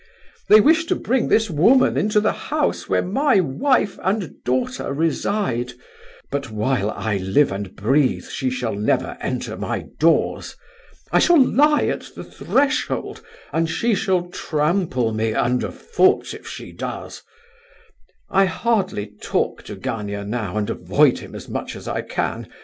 They wish to bring this woman into the house where my wife and daughter reside, but while I live and breathe she shall never enter my doors. I shall lie at the threshold, and she shall trample me underfoot if she does. I hardly talk to Gania now, and avoid him as much as I can.